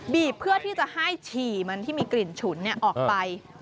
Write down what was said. เพื่อที่จะให้ฉี่มันที่มีกลิ่นฉุนออกไป